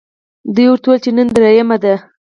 دوی ورته وویل چې نن درېیمه ده.